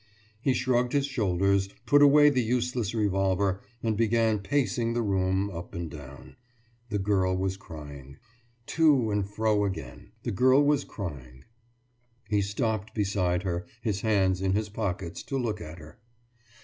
He shrugged his shoulders, put away the useless revolver, and began pacing the room, up and down. The girl was crying. To and fro again. The girl was crying. He stopped beside her, his hands in his pockets, to look at her.